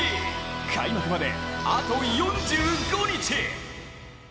開幕まであと４５日。